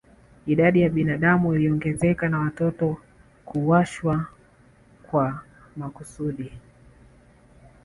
Idadi ya binadamu iliongezeka na moto kuwashwa kwa makusudi